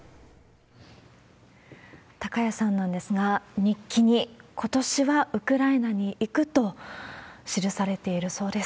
高谷さんなんですが、日記に、ことしはウクライナに行くと記されているそうです。